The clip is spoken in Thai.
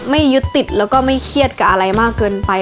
ไม่ยึดติดแล้วก็ไม่เครียดกับอะไรมากเกินไป